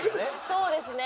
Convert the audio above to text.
そうですね。